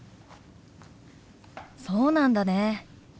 そうなんだね。